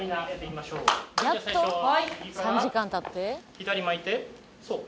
左巻いてそう。